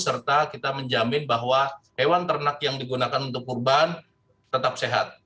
serta kita menjamin bahwa hewan ternak yang digunakan untuk kurban tetap sehat